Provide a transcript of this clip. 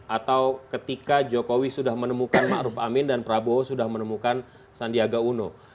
atau ketika jokowi sudah menemukan ma'ruf amin dan prabowo sudah menemukan sandiaga uno